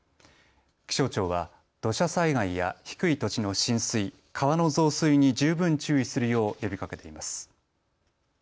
気象庁は土砂災害や低い土地の浸水川の増水に十分注意するよう呼びかけています。